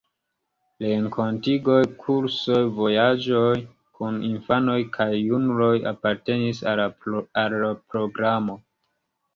Renkontiĝoj, kursoj, vojaĝoj kun infanoj kaj junuloj apartenis al la programo.